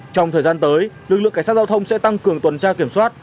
trong thời gian tới lực lượng cảnh sát giao thông sẽ tăng cường tuần tra kiểm soát